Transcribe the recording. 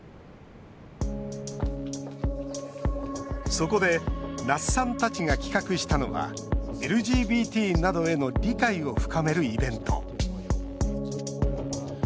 そこで那須さんたちが企画したのはＬＧＢＴなどへの理解を深めるイベント。